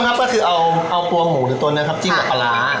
ต้องเริ่มครับก็คือเอาปลัวหมูตัวเนี่ยครับจิ้มกับปลาร่า